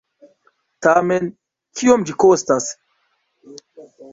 Tamen, kiom ĝi kostas?